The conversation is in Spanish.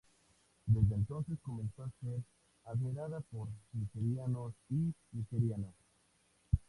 Desde entonces comenzó a ser admirada por nigerianos y nigerianas.